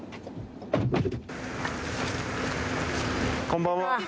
こんばんは。